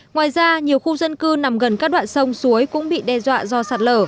ngoài ra nhiều khu dân cư nằm gần các đoạn sông suối cũng bị đe dọa